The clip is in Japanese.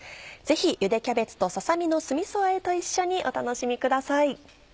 ぜひ「ゆでキャベツとささ身の酢みそあえ」と一緒にお楽しみください。